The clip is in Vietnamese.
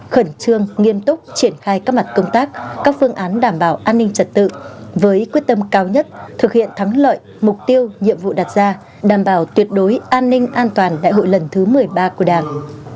khẩn trương nghiêm túc triển khai các mặt công tác các phương án đảm bảo an ninh trật tự với quyết tâm cao nhất thực hiện thắng lợi mục tiêu nhiệm vụ đặt ra đảm bảo tuyệt đối an ninh an toàn đại hội lần thứ một mươi ba của đảng